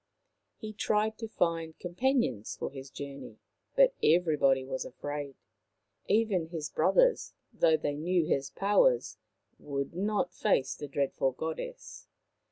He tried to find companions for his journey, but everybody was afraid. Even his brothers, though they knew his powers, would not face the dreadful Goddess.